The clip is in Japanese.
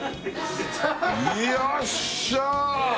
よっしゃー！